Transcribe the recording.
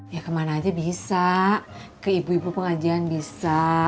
ya kemana aja bisa ke ibu ibu pengajian bisa